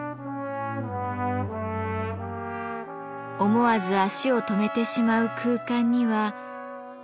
思わず足を止めてしまう空間には。